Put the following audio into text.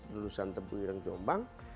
lulusan tebuireng jombang